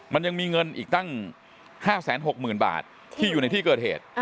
มันยังมีเงินอีกตั้ง๕๖๐๐๐บาทที่อยู่ในที่เกิดเหตุ